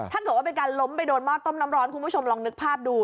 ถ้าเกิดว่าเป็นการล้มไปโดนหม้อต้มน้ำร้อนคุณผู้ชมลองนึกภาพดู